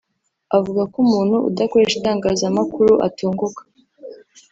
avuga ko umuntu udakoresha itangazamakuru atunguka